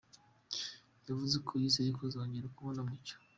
Yavuze ko yizeye kuzongera kubona Mucyo.